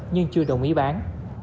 nhưng chưa đồng ý bán